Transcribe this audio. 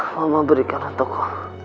mama berikan untukku